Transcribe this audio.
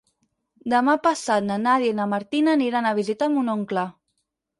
Demà passat na Nàdia i na Martina aniran a visitar mon oncle.